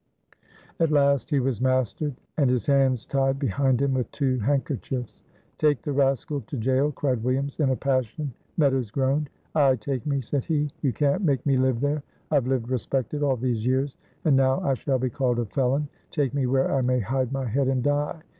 At last he was mastered, and his hands tied behind him with two handkerchiefs. "Take the rascal to jail!" cried Williams, in a passion. Meadows groaned. "Ay! take me," said he, "you can't make me live there. I've lived respected all these years, and now I shall be called a felon. Take me where I may hide my head and die!"